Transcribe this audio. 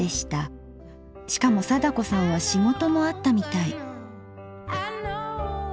しかも貞子さんは仕事もあったみたい。